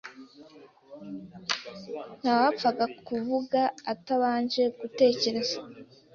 ntawapfaga kuvuga atabanje gutekereza